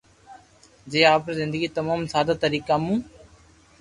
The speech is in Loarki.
جي آپري زندگي تموم سادا طريقا مون